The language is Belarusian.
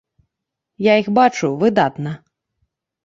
Я іх бачыў выдатна.